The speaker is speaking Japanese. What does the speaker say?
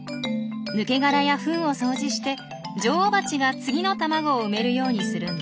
抜け殻やフンを掃除して女王バチが次の卵を産めるようにするんです。